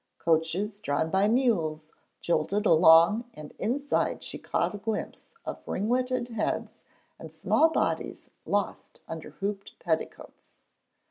Coaches drawn by mules jolted along and inside she caught a glimpse of ringleted heads and small bodies lost under hooped petticoats.